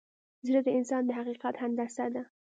زړه د انسان د حقیقت هندسه ده.